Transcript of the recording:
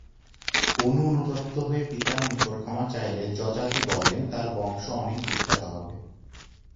অণু অনুতপ্ত হয়ে পিতার নিকট ক্ষমা চাইলে যযাতি বলেন, তাঁর বংশ অনেক বিখ্যাত হবে।